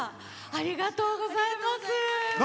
ありがとうございます。